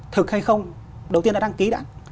thực hay không đầu tiên là đăng ký đã